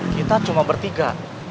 kita cuma bertiga